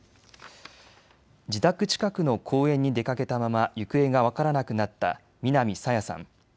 自宅近くの公園に出かけたまま行方が分からなくなった南朝芽さん。